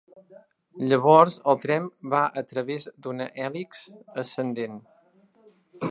Llavors el tren va a través d'una hèlix ascendent.